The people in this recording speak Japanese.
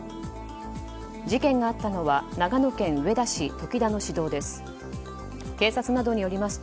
事件があったのは長野県上田市常田の市道です。